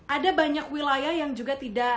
ada banyak wilayah yang juga tidak